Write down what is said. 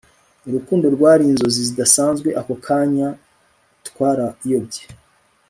Urukundo rwari inzozi zidasanzwe Ako kanya twarayobye